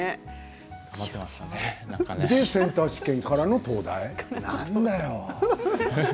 で、センター試験からの東大何だよ。